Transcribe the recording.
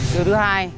điều thứ hai